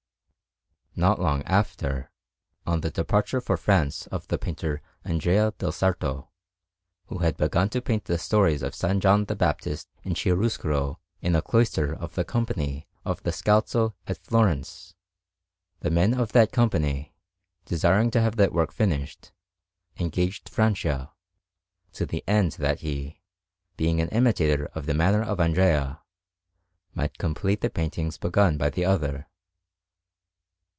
No long time after, on the departure for France of the painter Andrea del Sarto, who had begun to paint the stories of S. John the Baptist in chiaroscuro in a cloister of the Company of the Scalzo at Florence, the men of that Company, desiring to have that work finished, engaged Francia, to the end that he, being an imitator of the manner of Andrea, might complete the paintings begun by the other.